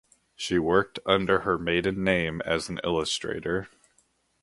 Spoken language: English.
She worked under her maiden name as an illustrator.